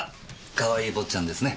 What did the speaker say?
かわいい坊ちゃんですね。